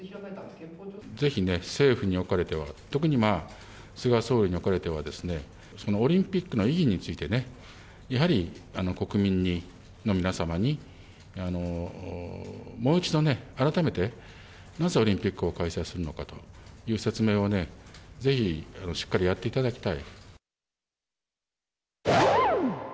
ぜひ政府におかれては、特に菅総理におかれてはですね、オリンピックの意義について、やはり国民の皆様に、もう一度ね、改めて、なぜオリンピックを開催するのかという説明をぜひしっかりやっていただきたい。